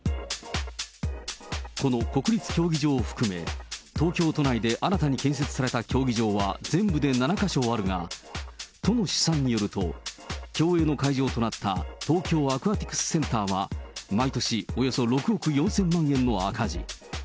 この国立競技場を含め、東京都内で新たに建設された競技場は全部で７か所あるが、都の試算によると、競泳の会場となった東京アクアティクスセンターは、毎年およそ６億４０００万円の赤字。